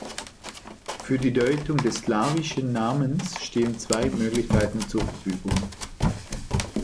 Für die Deutung des slawischen Namens stehen zwei Möglichkeiten zur Verfügung.